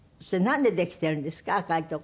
それ何でできてるんですか？